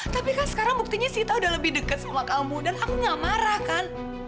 tapi kan sekarang buktinya sita udah lebih deket sama kamu dan aku gak marah kan